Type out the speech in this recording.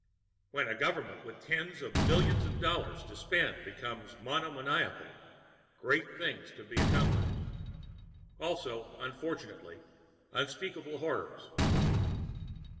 When a government with tens of billions of dollars to spend becomes monomaniacal, Great Things can be accomplished. Also, unfortunately, Unspeakable Horrors.